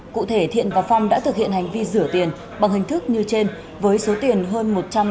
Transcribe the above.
cụ thể thiện và phong đã thực hiện hành vi rửa tiền bằng hình thức như trên với số tiền hơn một trăm chín mươi ba tỷ đồng